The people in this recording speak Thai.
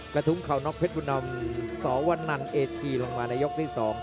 กระทุ้งเขานกเพชรคุณนำสวันนั่นเอสกีลงมาในยกที่๒